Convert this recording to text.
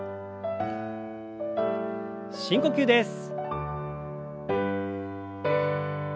深呼吸です。